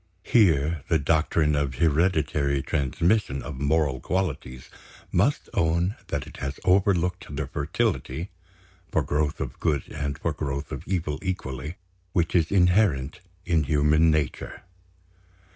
Here the doctrine of hereditary transmission of moral qualities must own that it has overlooked the fertility (for growth of good and for growth of evil equally) which is inherent in human nature.